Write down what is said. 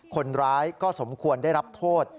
คนร้ายก็สมควรได้รับโทษ